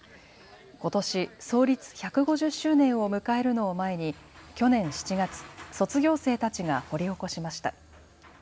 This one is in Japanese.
ことし創立１５０周年を迎えるのを前に去年７月、卒業生たちが掘り起こしました。